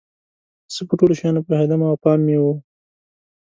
زه په ټولو شیانو پوهیدم او پام مې و.